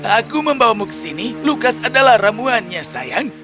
aku membawamu ke sini lukas adalah ramuannya sayang